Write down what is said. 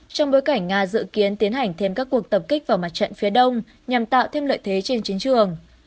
trong bối cảnh nga dự kiến tiến hành thêm các cuộc tập kích vào mặt trận phía đông nhằm tạo thêm lợi thế trên chiến trường